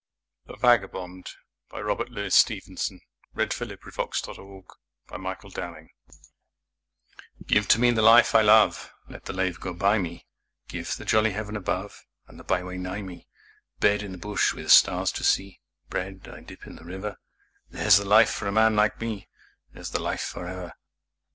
Travel and Other Verses by Robert Louis Stevenson ITHE VAGABOND (To an air of Schubert) GIVE to me the life I love, Let the lave go by me, Give the jolly heaven above And the byway nigh me. Bed in the bush with stars to see, Bread I dip in the river There's the life for a man like me, There's the life for ever.